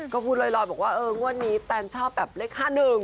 ก็พูดลอยบอกว่าเอองวดนี้แตนชอบแบบเลข๕๑